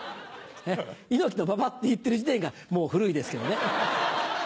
「猪木と馬場」って言ってる時点がもう古いですけどね。